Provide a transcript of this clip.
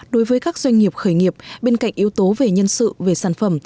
đối với các doanh nghiệp khởi nghiệp bên cạnh yếu tố về nhân sự về sản phẩm